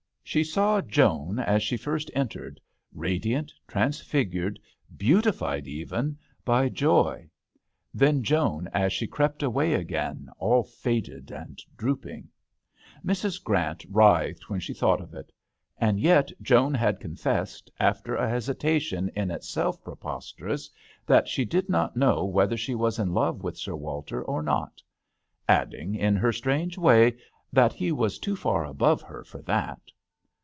She saw Joan as she first entered, radiant, transfigured, beautified even, by joy: then Joan, as she crept away again, all faded and drooping ! Mrs. Grant writhed when she thought of it. And yet Joan had confessed, after a hesitation in itself prepos terous, that she did not know whether she was in love with Sir Walter or not; adding, in her strange way, that he was too far above her for that.